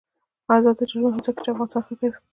آزاد تجارت مهم دی ځکه چې افغانستان ښه کوي.